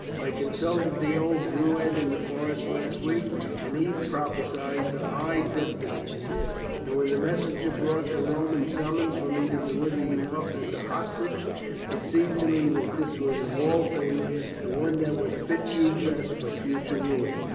I consulted the old Druid in the forest last week, and he prophesied a high destiny for you; and when the messenger brought the Roman summons for me to deliver you up as a hostage, it seemed to me that this was of all things the one that would fit you best for future rule.